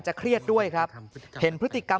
เครียดด้วยครับเห็นพฤติกรรม